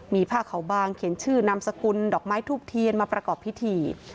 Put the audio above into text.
มีผ้าเขาบางเขียนชื่อนามสกุลดอกไม้ทูบเทียนมาประกอบพิธี